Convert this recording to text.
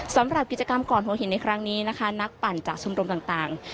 สำหรับกิจกรรมก่อนหัวหินในครั้งนี้นะคะนักปั่นจากชมรมต่าง